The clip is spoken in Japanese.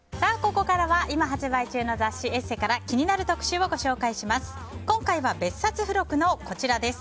ここからは今、発売中の雑誌「ＥＳＳＥ」から気になる特集をご紹介します。